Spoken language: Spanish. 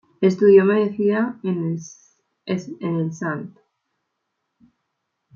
Estudió medicina en el St.